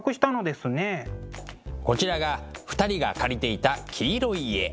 こちらが２人が借りていた黄色い家。